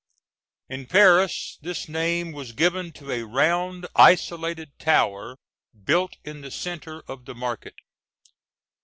In Paris, this name was given to a round isolated tower built in the centre of the market.